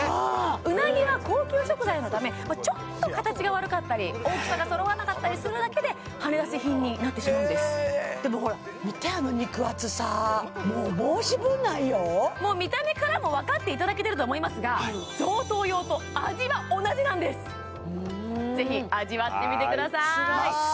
うなぎは高級食材のためちょっと形が悪かったり大きさがそろわなかったりするだけではねだし品になってしまうんですでもほら見てあの肉厚さもう申し分ないよもう見た目からもわかっていただけてるとは思いますがぜひ味わってみてくださいすごーい！